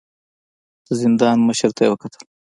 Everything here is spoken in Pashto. د زندان مشر ته يې وکتل.